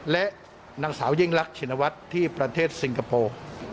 และนางสาวยิ่งรักชินวัฒน์ที่ประเทศสิงคโปร์